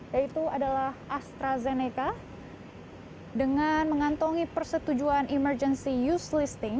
yaitu adalah astrazeneca dengan mengantongi persetujuan emergency use listing